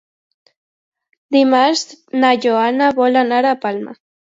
Dimarts na Joana vol anar a Palma.